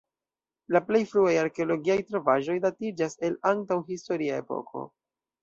La plej fruaj arkeologiaj trovaĵoj datiĝas el la antaŭ-historia epoko.